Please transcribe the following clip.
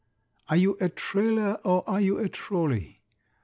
Are you a trailer, or are you a trolley?